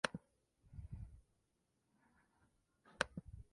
El observatorio dispone de una sección de datos meteorológicos y de un planetario.